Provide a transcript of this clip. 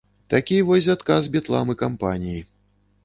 Такі вось адказ бітлам і кампаніі.